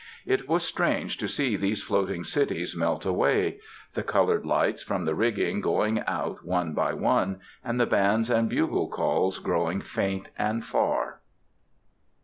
It was strange to see these floating cities melt away; the colored lights from the rigging going out one by one, and the bands and bugle calls growing faint and far.